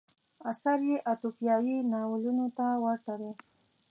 اثر یې اتوپیایي ناولونو ته ورته دی.